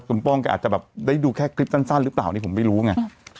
คุณป้องก็อาจจะแบบได้ดูแค่คลิปสั้นหรือเปล่านี่ผมไม่รู้ไง